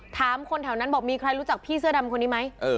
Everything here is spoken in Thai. ถามคนแถวนั้นบอกมีใครรู้จักพี่เสื้อดำคนนี้ไหม